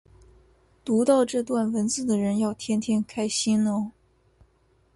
读到这段文字的人要天天开心哦